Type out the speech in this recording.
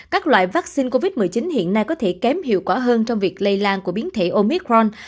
các loại vaccine covid một mươi chín hiện nay có thể kém hiệu quả hơn trong việc lây lan của biến thể omicron